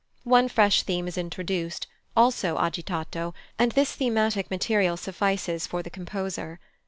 One fresh theme is introduced, also agitato, and this thematic material suffices for the composer.